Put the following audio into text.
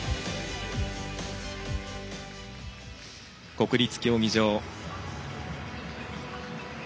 国立競技場。